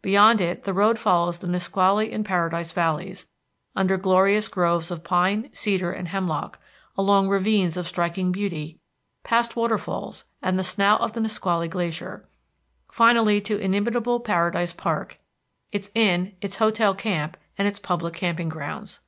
Beyond it the road follows the Nisqually and Paradise valleys, under glorious groves of pine, cedar, and hemlock, along ravines of striking beauty, past waterfalls and the snout of the Nisqually Glacier, finally to inimitable Paradise Park, its inn, its hotel camp, and its public camping grounds.